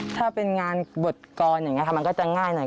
ถ้าเป็นงานบทกรอย่างนี้ค่ะมันก็จะง่ายหน่อย